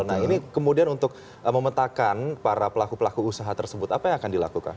nah ini kemudian untuk memetakan para pelaku pelaku usaha tersebut apa yang akan dilakukan